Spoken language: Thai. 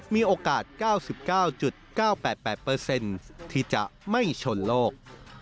มีโอกาส๙๙๙๘๘เปอร์เซ็นต์ที่จะไม่ชนโลก